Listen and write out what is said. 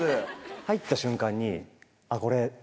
入った瞬間に「これ」。